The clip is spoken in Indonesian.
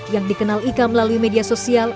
yang dikenal ika melalui media sosial